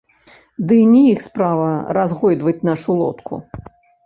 Дый не іх справа разгойдваць нашу лодку.